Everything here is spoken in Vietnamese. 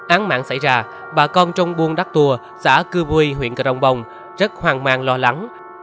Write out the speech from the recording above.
án mạng xảy ra bà con trong buôn đắc tùa xã cư bùi huyện cà rồng bông rất hoàng mang lo lắng